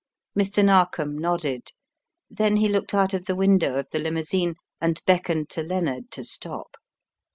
Mr. Narkom nodded. Then he looked out of the window of the limousine and beckoned to Lennard to stop.